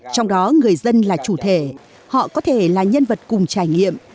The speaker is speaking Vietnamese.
trong đó người dân là chủ thể họ có thể là nhân vật cùng trải nghiệm